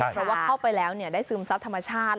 เพราะว่าเข้าไปแล้วได้ซึมซับธรรมชาติ